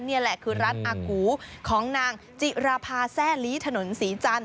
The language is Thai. นี่แหละคือร้านอากูของนางจิราภาแซ่ลีถนนศรีจันท